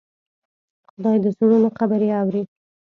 خدای د زړونو خبرې اوري.